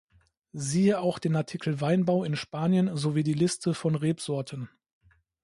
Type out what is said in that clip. Siehe auch den Artikel Weinbau in Spanien sowie die Liste von Rebsorten.